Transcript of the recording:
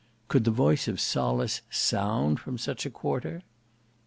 Could the voice of solace sound from such a quarter?